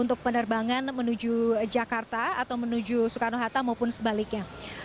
untuk penerbangan menuju jakarta atau menuju soekarno hatta maupun sebaliknya